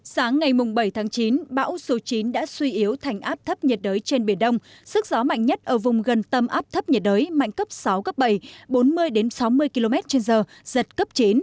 sáng ngày bảy chín bão số chín đã suy yếu thành áp thấp nhiệt đới trên biển đông sức gió mạnh nhất ở vùng gần tâm áp thấp nhiệt đới mạnh cấp sáu cấp bảy bốn mươi sáu mươi km trên giờ giật cấp chín